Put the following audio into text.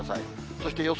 そして予想